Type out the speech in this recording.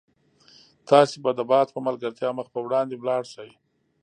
تاسي به د باد په ملګرتیا مخ په وړاندې ولاړ شئ.